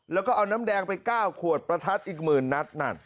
แล้วก็เอาน้ำแดงไป๙ขวดประทัดอีกหมื่นนัดนั่น